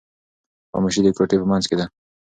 خاموشي د کوټې په منځ کې ده.